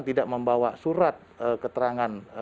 tidak membawa surat keterangan